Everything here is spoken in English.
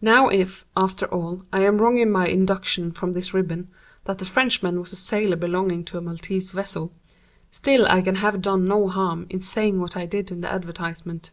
Now if, after all, I am wrong in my induction from this ribbon, that the Frenchman was a sailor belonging to a Maltese vessel, still I can have done no harm in saying what I did in the advertisement.